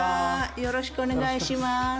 よろしくお願いします。